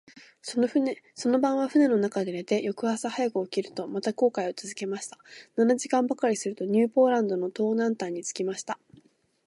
その晩は舟の中で寝て、翌朝早く起きると、また航海をつづけました。七時間ばかりすると、ニューポランドの東南端に着きました。